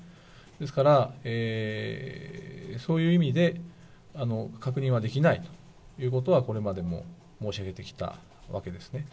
ですから、そういう意味で確認はできないということは、これまでも申し上げてきたわけですね。